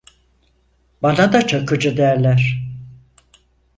Bana da Çakıcı derler.